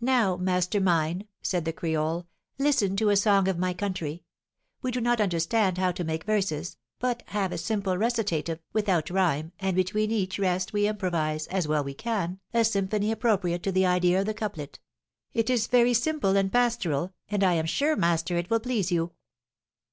"Now, master mine," said the creole, "listen to a song of my country. We do not understand how to make verses, but have a simple recitative, without rhyme, and between each rest we improvise, as well as we can, a symphony appropriate to the idea of the couplet; it is very simple and pastoral, and I am sure, master, it will please you."